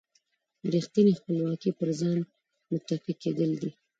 ریښتینې خپلواکي پر ځان متکي کېدل دي.